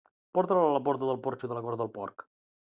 Porta-la a la porta del porxo de la cort del porc.